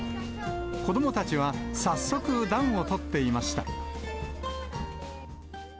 子どもたちは早速暖をとっていました。